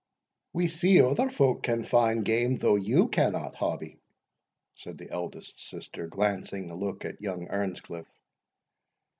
"We see other folk can find game, though you cannot, Hobbie," said the eldest sister, glancing a look at young Earnscliff.